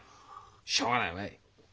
しょうがないわい。